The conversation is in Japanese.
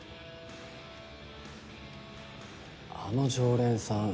あの常連さん